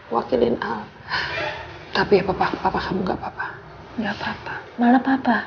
gak ada apa apa kita bisa berbicara sama sama ya